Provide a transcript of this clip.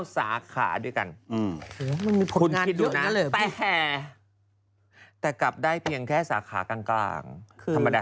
๙สาขาด้วยกันแต่กลับได้เพียงแค่สาขากล้างกล้า